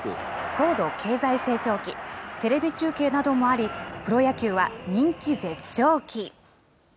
高度経済成長期、テレビ中継などもあり、プロ野球は人気絶頂期。